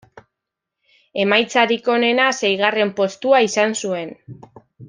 Emaitzarik onena seigarren postua izan zuen.